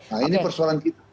nah ini persoalan kita